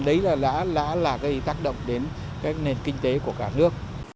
đấy là gây tác động đến nền kinh tế của cả nước